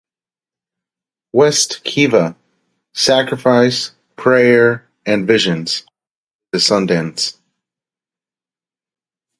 "West Kiva, 'Sacrifice, Prayer and Visions" is a Sundance.